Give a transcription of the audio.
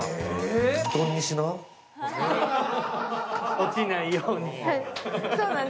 落ちないように。